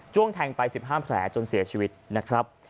แทงไป๑๕แผลจนเสียชีวิตนะครับ